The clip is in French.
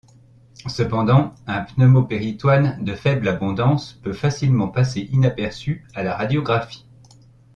Cependant, un pneumopéritoine de faible abondance peut facilement passer inaperçu a la radiographie.